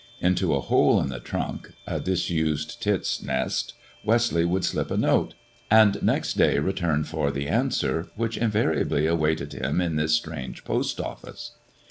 Into a hole in the trun — a disused tit's nest— Westleigh would slip a note, an next day return for the answer which invariably awaite him in this strange post office.